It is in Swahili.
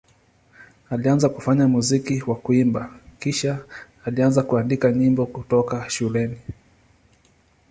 Alianza kufanya muziki kwa kuimba, kisha alianza kuandika nyimbo kutoka shuleni.